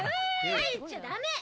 入っちゃダメ！